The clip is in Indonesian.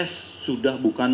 s sudah bukan